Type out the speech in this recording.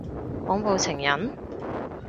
恐怖情人？